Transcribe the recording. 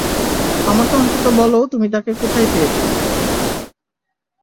আমাকে অন্তত বলো তুমি তাকে কোথায় পেয়েছ।